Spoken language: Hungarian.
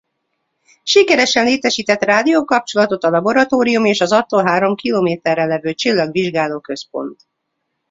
Sikeresen létesített rádiókapcsolatot a laboratórium és az attól három kilométerre lévő csillagvizsgáló között.